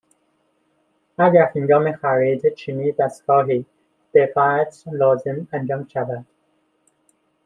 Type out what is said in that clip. اگر هنگام خرید چنین دستگاههایی، دقّت لازم انجام شود.